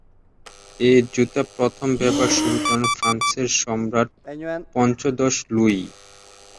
এ জুতা প্রথম ব্যবহার শুরু করেন ফ্রান্সের সম্রাট পঞ্চদশ লুই।